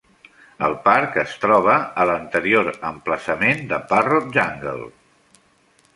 El parc es troba a l'anterior emplaçament de Parrot Jungle.